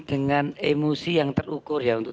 dengan emosi yang terukur ya untuk